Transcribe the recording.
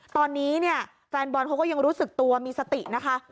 ตอนนี้เนี่ยแฟนบอลเขาก็ยังรู้สึกตัวมีสตินะคะ